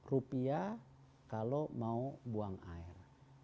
rp dua kalau mau buang air